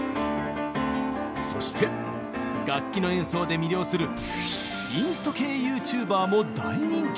そして楽器の演奏で魅了する「インスト系ＹｏｕＴｕｂｅｒ」も大人気！